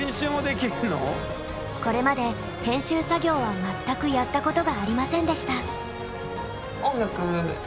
これまで編集作業は全くやったことがありませんでした。